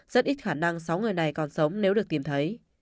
rất ít khả năng sáu người này còn sống nếu được tìm thấy